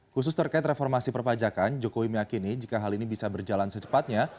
khusus terkait reformasi perpajakan jokowi meyakini jika hal ini bisa berjalan secepatnya